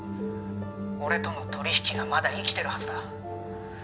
俺との取引がまだ生きてるはずだ